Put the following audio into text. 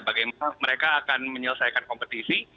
bagaimana mereka akan menyelesaikan kompetisi